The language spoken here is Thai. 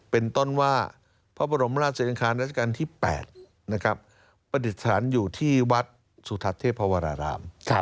เป็นต้นว่าพระบรมราชอังคารราชการที่๘ประดิษฐานอยู่ที่วัดสุทัศน์เทพวราราม